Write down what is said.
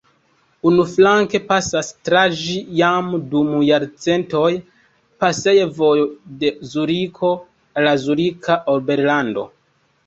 Unuflanke pasas tra ĝi jam dum jarcentoj pasejvojo de Zuriko al la Zurika Oberlando.